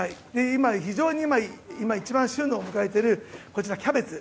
今非常に一番旬を迎えているキャベツ。